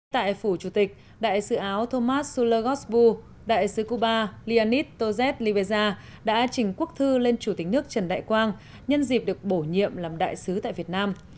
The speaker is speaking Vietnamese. tại phủ chủ tịch đại sứ áo thomas sula gotsbu đại sứ cuba leonid tozet liveza đã trình quốc thư lên chủ tịch nước trần đại quang nhân dịp được bổ nhiệm làm đại sứ tại việt nam